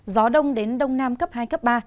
gió đông đến đông nam cấp hai cấp ba